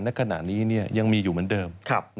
ณขณะนี้ยังมีอยู่เหมือนเดิม